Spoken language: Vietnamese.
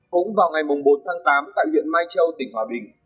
cũng vào ngày bốn tháng tám tại huyện mai châu tỉnh hòa bình